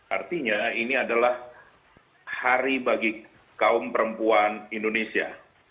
artinya ini adalah hari bagi kaum perempuan indonesia